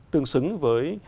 tương xứng với